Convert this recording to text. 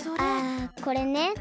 あこれね。